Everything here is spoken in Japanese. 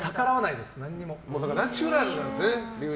ナチュラルなんですね